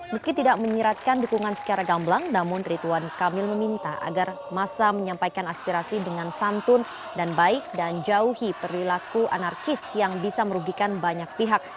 meski tidak menyiratkan dukungan secara gamblang namun rituan kamil meminta agar masa menyampaikan aspirasi dengan santun dan baik dan jauhi perilaku anarkis yang bisa merugikan banyak pihak